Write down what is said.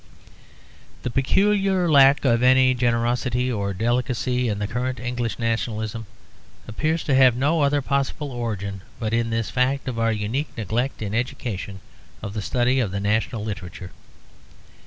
The peculiar lack of any generosity or delicacy in the current English nationalism appears to have no other possible origin but in this fact of our unique neglect in education of the study of the national literature.